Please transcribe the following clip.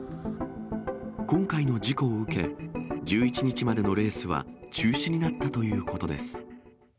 今回の事故を受け、１１日までのレースは中止になったということです。